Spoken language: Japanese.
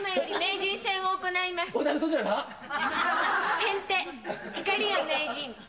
先手いかりや名人。